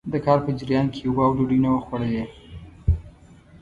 د کار په جريان کې يې اوبه او ډوډۍ نه وو خوړلي.